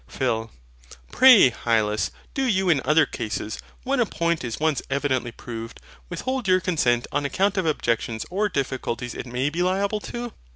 PHIL. Pray, Hylas, do you in other cases, when a point is once evidently proved, withhold your consent on account of objections or difficulties it may be liable to?